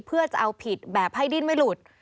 เพื่อจะเอาผิดแบบให้ดิ้นไม่หลุด